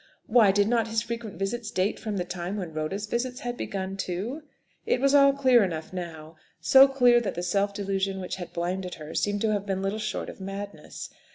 Why, did not his frequent visits date from the time when Rhoda's visits had begun, too? It was all clear enough now; so clear, that the self delusion which had blinded her seemed to have been little short of madness.